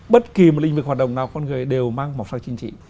bất kỳ một lĩnh vực hoạt động nào con người đều mang màu sắc chính trị